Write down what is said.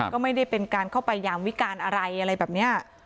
ก็ไม่ได้เป็นการเข้าไปยามวิการอะไรอะไรแบบนี้